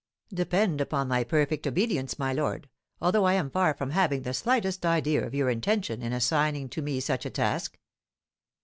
"Depend upon my perfect obedience, my lord, although I am far from having the slightest idea of your intention in assigning to me such a task."